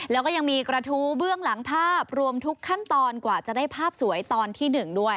แล้วก็ยังมีกระทู้เบื้องหลังภาพรวมทุกขั้นตอนกว่าจะได้ภาพสวยตอนที่๑ด้วย